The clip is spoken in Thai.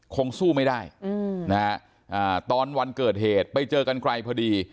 คงสู้ไม่ได้ตอนวันเกิดเหตุไปเจอกันไกลพอดี